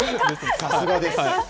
さすがです。